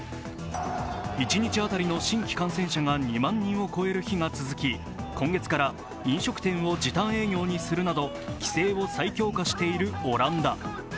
一日当たりの新規感染者が２万人を超える日が続き今月から飲食店を時短営業にするなど、規制を再強化しているオランダ。